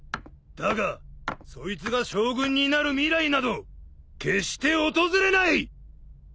だがそいつが将軍になる未来など決して訪れない！